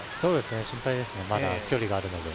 心配ですね、まだ距離があるので。